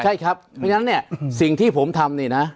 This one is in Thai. ใช่ครับดังนั้นเนี่ยสิ่งที่ผมทำเนี่ยนะ